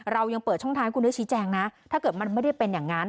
เรายังเปิดช่องทางให้คุณได้ชี้แจงนะถ้าเกิดมันไม่ได้เป็นอย่างนั้น